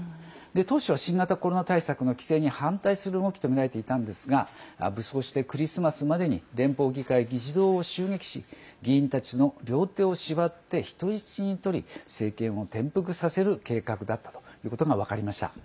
当初は新型コロナ対策の規制に反対する動きとみられていたんですが武装して、クリスマスまでに連邦議会議事堂を襲撃し議員たちの両手を縛って人質に取り、政権を転覆させる計画だったということが分かりました。